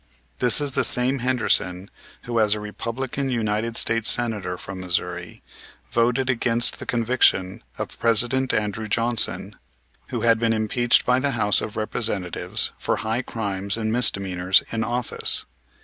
This is the same Henderson, who, as a Republican United States Senator from Missouri, voted against the conviction of President Andrew Johnson, who had been impeached by the House of Representatives for high crimes and misdemeanors in office.